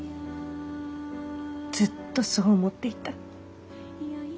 ずっとそう思っていた。